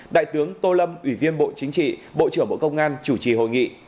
đại tướng tô lâm ủy viên bộ chính trị bộ trưởng bộ công an chủ trì hội nghị